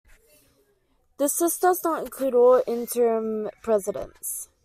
This list does not include all interim presidents.